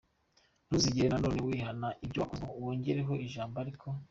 Ntuzigera na none wihana ibyo wakoze ngo wongereho ijambo ‘ariko’.